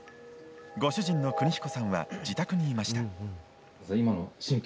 ご主人の邦彦さんは自宅にいました。